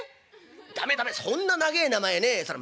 駄目駄目そんな長え名前ねそら